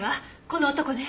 この男ね。